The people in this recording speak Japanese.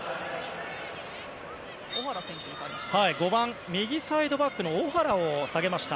５番、右サイドバックのオ・ハラを下げました。